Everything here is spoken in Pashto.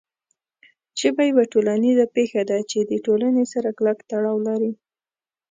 ژبه یوه ټولنیزه پېښه ده چې د ټولنې سره کلک تړاو لري.